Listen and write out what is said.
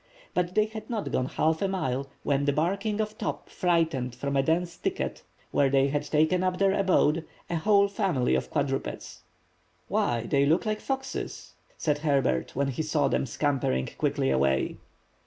But they had not gone half a mile when the barking of Top frightened from a dense thicket where they had taken up their abode, a whole family of quadrupeds. "Why they look like foxes," said Herbert, when he saw them scampering quickly away.